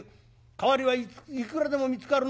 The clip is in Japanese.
代わりはいくらでも見つかるんだ。